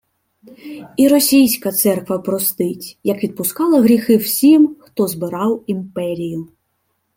І Російська церква простить, як відпускала гріхи всім, хто «збирав» імперію